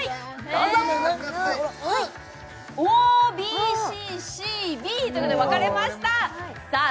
どうぞおＢＣＣＢということで分かれましたさあ